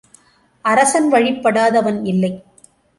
அரசன் வழிப்படாதவன் இல்லை.